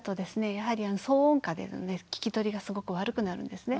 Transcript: やはり騒音下での聞き取りがすごく悪くなるんですね。